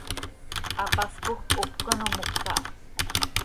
Hapaspoj quih hocö quih ano moca ha.